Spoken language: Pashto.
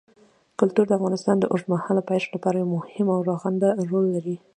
کلتور د افغانستان د اوږدمهاله پایښت لپاره یو مهم او رغنده رول لري.